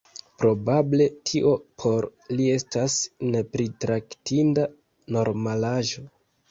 Probable tio por li estas nepritraktinda normalaĵo.